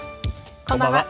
こんばんは。